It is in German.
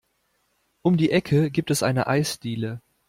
Um die Ecke gibt es eine Eisdiele.